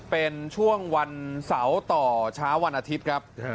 เป็นช่วงวันเสาร์ต่อเช้าวันอาทิตย์ครับ